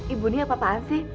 ibu ini apaan sih